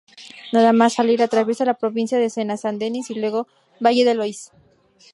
Nada más salir atraviesa la provincia de Sena-San Denis y luego Valle del Oise.